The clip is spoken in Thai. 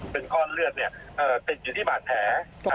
เป็นก้อนเลือดติดอยู่ที่บาดแผล